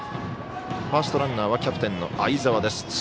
ファーストランナーはキャプテンの相澤です。